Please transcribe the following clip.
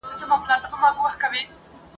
ښځي د خپلو حقوقو په ترلاسه کولو کي پاته راغلي دي.